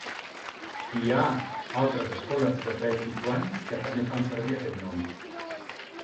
Hi ha altres escoles de taitxitxuan que també fan servir aquest nom.